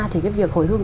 thì cái việc hồi hương